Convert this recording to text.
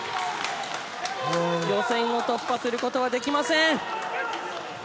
予選を突破することができません。